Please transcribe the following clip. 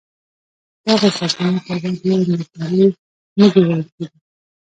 دغې سرچينې ته به د مردارۍ موږی ويل کېدی.